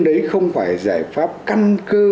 đấy không phải giải pháp căn cơ